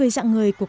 ba mẹ nó